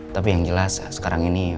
tapi yang jelas sekarang ini